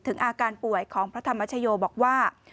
อาการป่วยของพระธรรมชโยบอกว่า